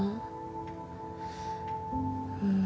うん。